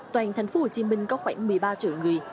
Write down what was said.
toàn thành phố hồ chí minh có khoảng một mươi ba triệu người